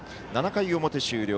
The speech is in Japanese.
７回表終了。